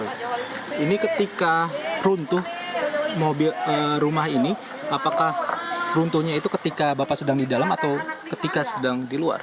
ini ketika runtuh mobil rumah ini apakah runtuhnya itu ketika bapak sedang di dalam atau ketika sedang di luar